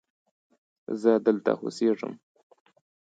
زه دلته اوسیږم